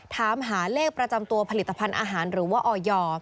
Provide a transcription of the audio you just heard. ถามหาเลขประจำตัวผลิตภัณฑ์อาหารหรือว่าออย